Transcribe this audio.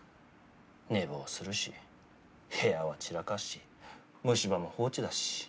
寝坊するし部屋は散らかすし虫歯も放置だし。